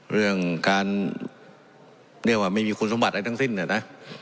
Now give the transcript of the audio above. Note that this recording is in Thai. เรื่องการเรียกว่าไม่มีคุณสมบัติอะไรทั้งสิ้นนะ